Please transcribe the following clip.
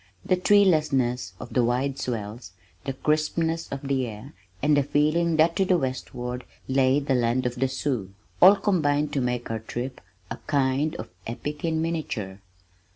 The treelessness of the wide swells, the crispness of the air and the feeling that to the westward lay the land of the Sioux, all combined to make our trip a kind of epic in miniature.